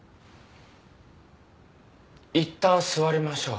いったん座りましょう。